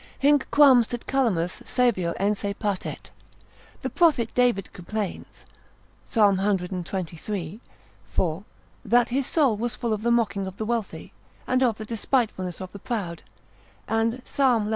Hinc quam sit calamus saevior ense patet. The prophet David complains, Psalm cxxiii. 4. that his soul was full of the mocking of the wealthy, and of the despitefulness of the proud, and Psalm lv.